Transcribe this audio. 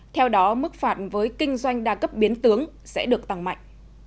theo đó mức phạt với kinh doanh đa cấp biến tướng sẽ được tăng mạnh